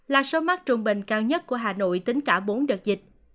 là số mắc trung bình cao nhất của hà nội tính cả bốn đợt dịch